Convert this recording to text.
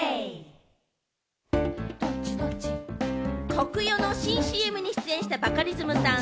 コクヨの新ＣＭに出演したバカリズムさん。